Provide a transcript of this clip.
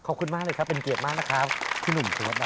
ขอบคุณมากเลยครับเป็นเกียรติมากนะครับคุณหนุ่มคุณวันนั้นครับ